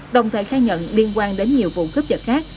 đồng thời khai nhận liên quan đến nhiều vụ cấp dật khác